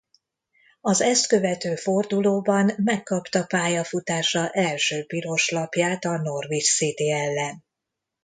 Az ezt követő fordulóban megkapta pályafutása első piros lapját a Norwich City ellen.